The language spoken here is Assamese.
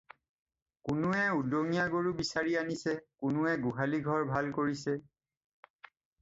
কোনোৱে উদঙীয়া গৰু বিচাৰি আনিছে, কোনোৱে গোহালি ঘৰ ভাল কৰিছে।